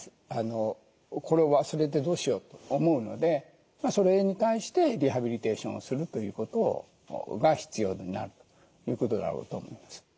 これを忘れてどうしようと思うのでそれに対してリハビリテーションをするということが必要になるということだろうと思います。